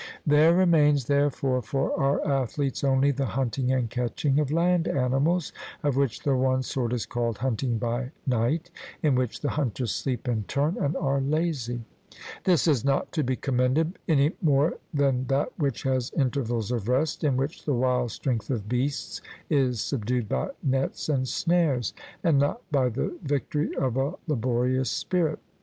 There remains therefore for our athletes only the hunting and catching of land animals, of which the one sort is called hunting by night, in which the hunters sleep in turn and are lazy; this is not to be commended any more than that which has intervals of rest, in which the wild strength of beasts is subdued by nets and snares, and not by the victory of a laborious spirit.